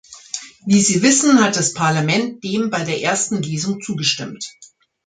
Wie Sie wissen, hat das Parlament dem bei der ersten Lesung zugestimmt.